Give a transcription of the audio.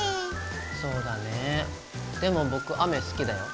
そうだねでも僕雨好きだよ。